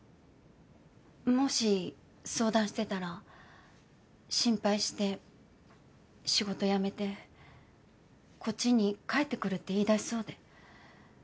もし相談してたら心配して仕事辞めてこっちに帰って来るって言い出しそうで。